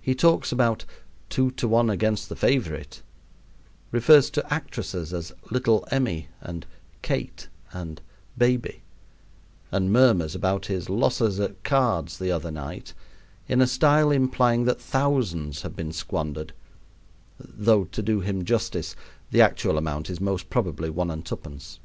He talks about "two to one against the favorite," refers to actresses as "Little Emmy" and "Kate" and "Baby," and murmurs about his "losses at cards the other night" in a style implying that thousands have been squandered, though, to do him justice, the actual amount is most probably one and twopence.